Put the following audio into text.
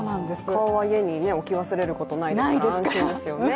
顔は家に置き忘れることないですから安心ですよね。